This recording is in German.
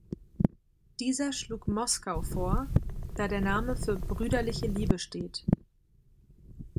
Dieser schlug Moscow vor, da der Name für "brüderliche Liebe" steht.